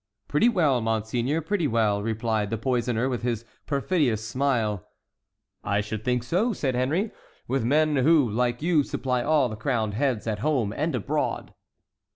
"Pretty well, monseigneur,—pretty well," replied the poisoner, with his perfidious smile. "I should think so," said Henry, "with men who, like you, supply all the crowned heads at home and abroad."